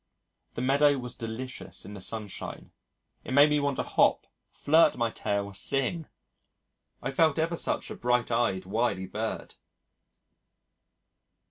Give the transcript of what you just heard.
The meadow was delicious in the sunshine. It made me want to hop, flirt my tail, sing. I felt ever such a bright eyed wily bird!